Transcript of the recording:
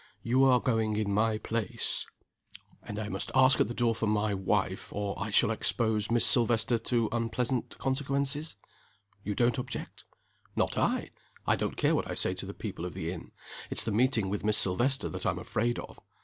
You are going in my place " "And I must ask at the door for 'my wife,' or I shall expose Miss Silvester to unpleasant consequences?" "You don't object?" "Not I! I don't care what I say to the people of the inn. It's the meeting with Miss Silvester that I'm afraid of."